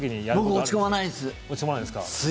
僕、落ち込まないです。